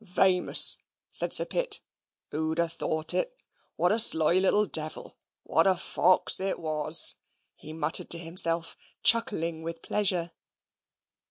"Vamous," said Sir Pitt. "Who'd ha' thought it! what a sly little devil! what a little fox it waws!" he muttered to himself, chuckling with pleasure.